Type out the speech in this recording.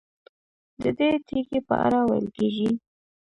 ددې تیږې په اړه ویل کېږي.